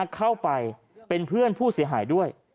เข้าไปเป็นเพื่อนผู้เสียหายด้วย